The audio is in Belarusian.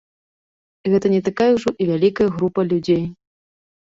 Гэта не такая ўжо і вялікая група людзей.